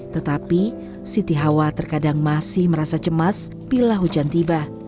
tetapi siti hawa terkadang masih merasa cemas bila hujan tiba